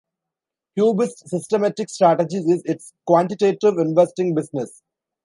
Cubist Systematic Strategies is its quantitative investing business.